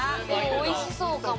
おいしそうかも。